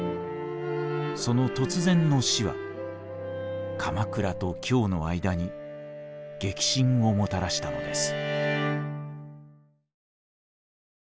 その突然の死は鎌倉と京の間に激震をもたらしたのです。